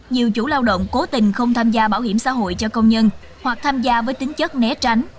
nhiều chủ lao động cố tình không tham gia bảo hiểm xã hội cho công nhân hoặc tham gia với tính chất né tránh